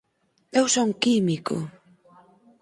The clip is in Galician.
Eu son químico!